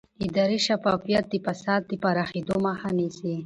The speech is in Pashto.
اداري شفافیت د فساد د پراخېدو مخه نیسي